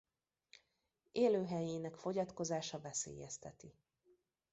Élőhelyének fogyatkozása veszélyezteti.